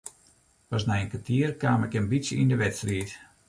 Pas nei in kertier kaam ik in bytsje yn de wedstriid.